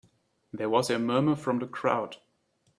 There was a murmur from the crowd.